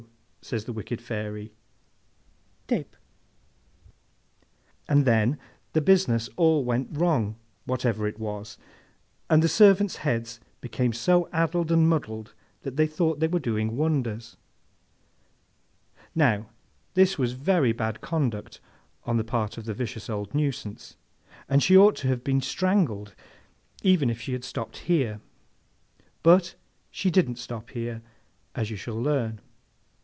says this wicked Fairy. '—Tape!' And then the business all went wrong, whatever it was, and the servants' heads became so addled and muddled that they thought they were doing wonders. Now, this was very bad conduct on the part of the vicious old nuisance, and she ought to have been strangled, even if she had stopped here; but, she didn't stop here, as you shall learn.